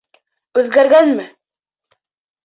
Үҙгәргәнме?